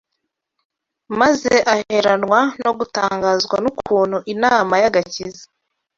Maze aheranwa no gutangazwa n’ukuntu inama y’agakiza